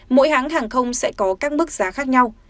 mỗi hãng hàng không sẽ có các mức giá khác nhau